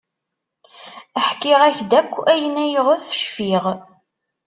Ḥkiɣ-ak-d akk ayen ayɣef cfiɣ.